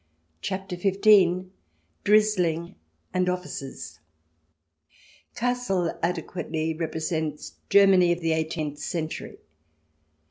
CHAPTER XV "DRIZZLING" AND OFFICERS Kassel adequately represents Germany of the eighteenth century.